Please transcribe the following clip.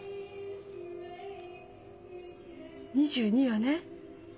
２２よね？